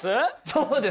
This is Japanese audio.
そうですね！